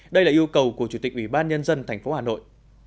đây là yêu cầu của chủ tịch ủy ban nhân dân tp hà nội